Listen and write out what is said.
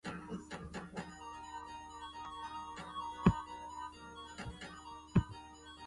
煥發青春的光彩